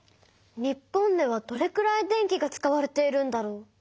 日本ではどれくらい電気が使われているんだろう？